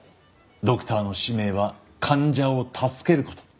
ドクターの使命は患者を助ける事。